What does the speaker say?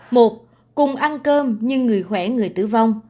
một cùng ăn cơm nhưng người khỏe người tử vong